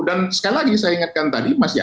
dan sekali lagi saya ingatkan tadi mas jaya